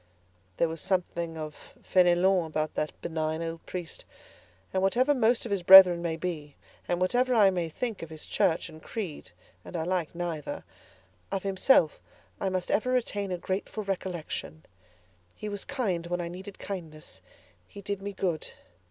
There was something of Fénélon about that benign old priest; and whatever most of his brethren may be, and whatever I may think of his Church and creed (and I like neither), of himself I must ever retain a grateful recollection. He was kind when I needed kindness; he did me good.